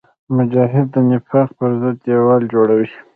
مجاهد د نفاق پر ضد دیوال جوړوي.